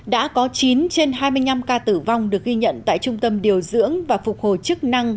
đã có chín trên hai mươi năm ca tử vong được ghi nhận tại trung tâm điều dưỡng và phục hồi chức năng